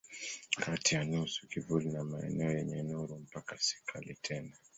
Kati ya nusu kivuli na maeneo yenye nuru mpaka si kali tena.